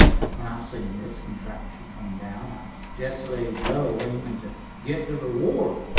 When I seen this contraption come down, I just laid low, aimin' t' git th' reward.